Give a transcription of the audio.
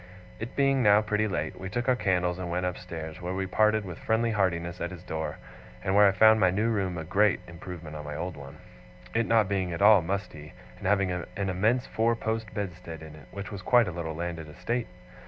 It being now pretty late, we took our candles and went upstairs, where we parted with friendly heartiness at his door, and where I found my new room a great improvement on my old one, it not being at all musty, and having an immense four post bedstead in it, which was quite a little landed estate.